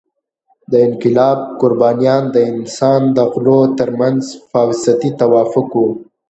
د انقلاب قربانیان د انسان او غلو تر منځ فاوستي توافق وو.